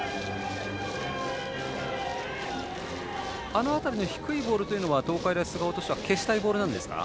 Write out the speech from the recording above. あの辺りの低いボールというのは東海大菅生としては消したいボールなんですか？